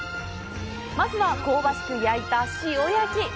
まずは、香ばしく焼いた塩焼き。